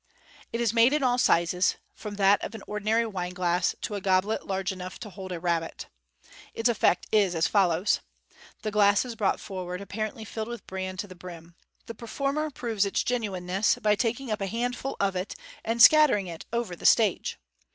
It is made in all sizes, from that of an ordinary wine glass to a goblet large enough to hold a rabbit. Its effect is as fol lows :— The glass is brought forward apparently filled with bran to the brim. The performer proves its genuineness by taking up a handful of it, and scattering it over the stage.